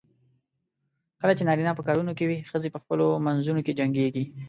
کله چې نارینه په کارونو کې وي، ښځې په خپلو منځو کې جنګېږي.